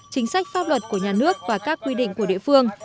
chính sách pháp luật của nhà nước và các quy định của địa phương